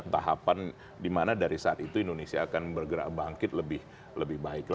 tahapan dimana dari saat itu indonesia akan bergerak bangkit lebih baik lagi